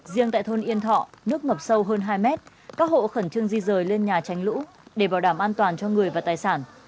riêng tại thôn yên thọ nước ngập sâu hơn hai mét các hộ khẩn trương di rời lên nhà tránh lũ để bảo đảm an toàn cho người và tài sản